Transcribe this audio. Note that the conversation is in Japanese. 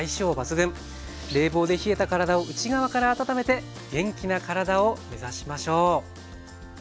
冷房で冷えた体を内側から温めて元気な体を目指しましょう。